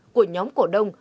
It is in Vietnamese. của nhóm cổ đông